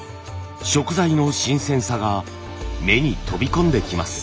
食材の新鮮さが目に飛び込んできます。